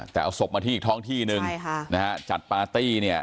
แต่เอาศพมาที่อีกท้องที่นึงใช่ค่ะนะฮะจัดปาร์ตี้เนี่ย